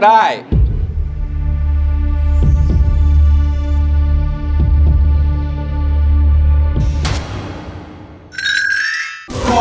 หัก